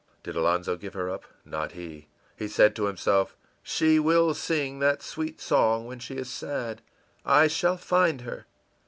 Did Alonzo give her up? Not he. He said to himself, ìShe will sing that sweet song when she is sad; I shall find her.